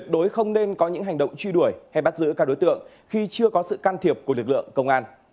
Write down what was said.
đối không nên có những hành động truy đuổi hay bắt giữ các đối tượng khi chưa có sự can thiệp của lực lượng công an